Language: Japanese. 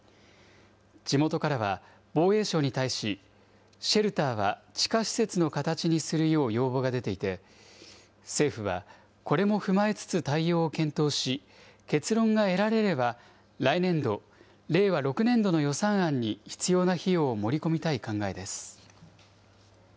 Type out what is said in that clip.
地元からは防衛省に対し、シェルターは地下施設の形にするよう要望が出ていて、政府は、これも踏まえつつ対応を検討し、結論が得られれば、来年度・令和６年度の予算案に必要な費用を盛り込みたい考えです。